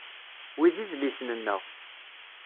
Wi d idlisen-nneɣ.